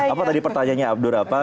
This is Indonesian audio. apa tadi pertanyaannya abdur apa